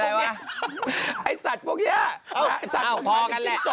เอ้าพอกันละ